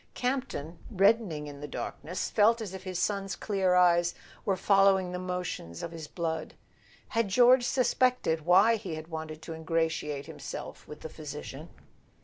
Campton, reddening in the darkness, felt as if his son's clear eyes were following the motions of his blood. Had George suspected why he had wanted to ingra¬ tiate himself with the physician?